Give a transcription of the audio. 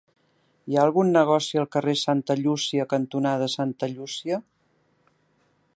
Hi ha algun negoci al carrer Santa Llúcia cantonada Santa Llúcia?